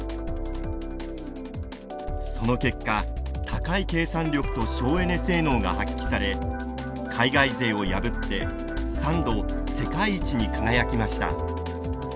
その結果高い計算力と省エネ性能が発揮され海外勢を破って３度世界一に輝きました。